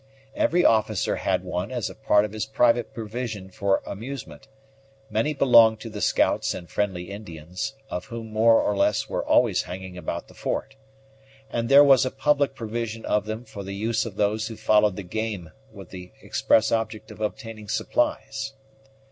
Every officer had one as a part of his private provision for amusement; many belonged to the scouts and friendly Indians, of whom more or less were always hanging about the fort; and there was a public provision of them for the use of those who followed the game with the express object of obtaining supplies.